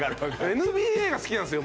ＮＢＡが好きなんですよ